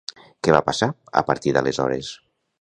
Què va passar, a partir d'aleshores?